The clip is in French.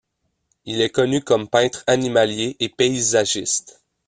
Il est connu comme peintre animalier et paysagiste.